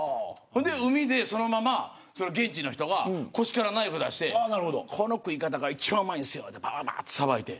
海で、そのまま現地の人が腰からナイフを出してこの食い方が一番うまいんですよと言って、さばいて。